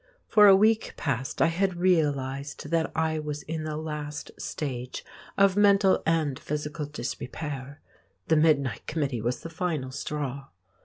For a week past I had realised that I was in the last stage of mental and physical disrepair. The midnight committee was the final straw.